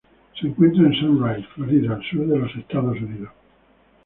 Se encuentra en Sunrise, Florida al sur de Estados Unidos.